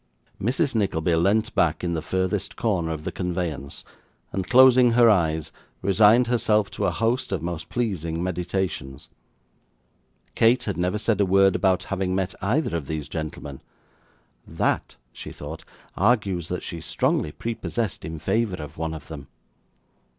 Mrs. Nickleby leant back in the furthest corner of the conveyance, and, closing her eyes, resigned herself to a host of most pleasing meditations. Kate had never said a word about having met either of these gentlemen; 'that,' she thought, 'argues that she is strongly prepossessed in favour of one of them.